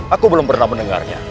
aku belum pernah mendengarnya